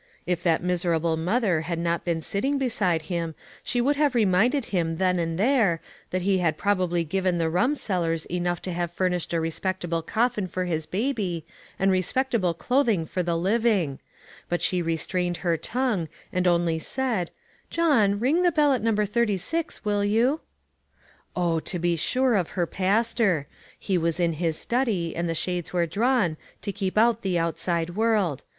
If that miserable mother had not been sit ting beside him, she would have reminded him then and there, that he had probably given the rumsellers enough to have furnished a respectable coffin for his baby and respect able clothing for the living ; but she re strained her tongue, and only said, " John, ring the bell at No. 36, will you ?" Oh, to be sure of her pastor ! He was in his study, and the shades were drawn, to keep out the outside world.